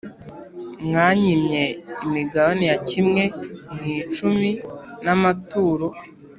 Mwanyimye imigabane ya kimwe mu icumi n’amaturo